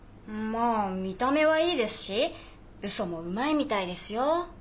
まぁ見た目はいいですし嘘もうまいみたいですよ。